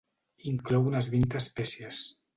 Inclou unes vint espècies.